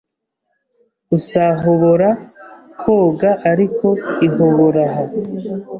Usahobora kogaariko ihoboraha